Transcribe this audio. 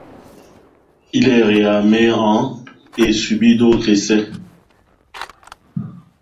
Il est réarmé en et subit d'autres essais.